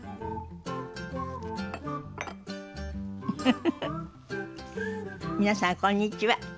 フフフフ皆さんこんにちは。